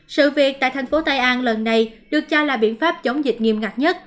sự việc tại thành phố tây an lần này được cho là biện pháp chống dịch nghiêm ngặt nhất